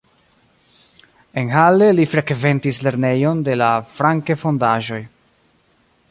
En Halle li frekventis lernejon de la Francke-fondaĵoj.